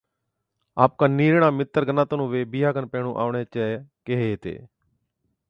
آپڪان نِيرڙان متر گناتان نُون وي بِيھا کن پيھِڻِيُون آوڻي چي ڪيھي ھِتي